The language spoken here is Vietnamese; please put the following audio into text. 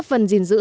góp phần gìn giữ